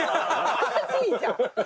おかしいじゃん！